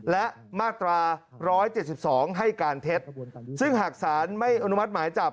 และมาตรา๑๗๒ให้การเท็จซึ่งหากศาลไม่อนุมัติหมายจับ